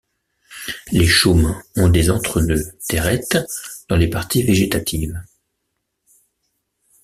Les chaumes ont des entrenœuds térètes dans les parties végétatives.